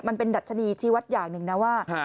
มันเป็นดัชนีชีวัตรอย่างหนึ่งนะว่า